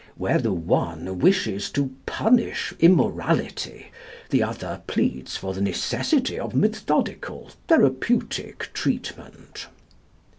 Where the one wishes to punish immorality, the other pleads for the necessity of methodical therapeutic treatment."